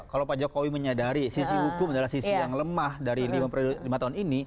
kalau pak jokowi menyadari sisi hukum adalah sisi yang lemah dari lima tahun ini